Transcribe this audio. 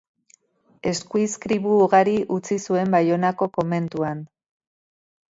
Eskuizkribu ugari utzi zuen Baionako komentuan.